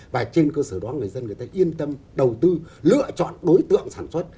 và trên cơ sở đó người dân người ta yên tâm đầu tư lựa chọn đối tượng sản xuất